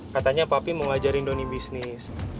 katanya pak be mau ngajarin doni bisnis